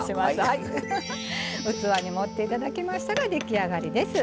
器に盛っていただきましたら出来上がりです。